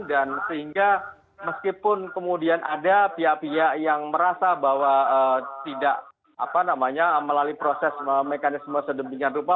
dan sehingga meskipun kemudian ada pihak pihak yang merasa bahwa tidak melalui proses mekanisme sedemikian rupa